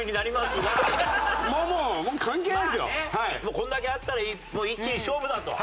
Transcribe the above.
こんだけあったらもう一気に勝負だと。